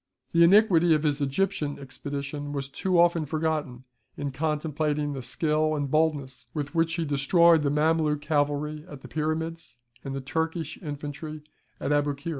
The iniquity of his Egyptian expedition was too often forgotten in contemplating the skill and boldness with which he destroyed the Mameluke cavalry at the Pyramids, and the Turkish infantry at Aboukir.